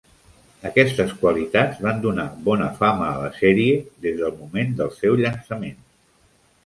Aquestes qualitats van donar bona fama a la sèrie des del moment del seu llançament.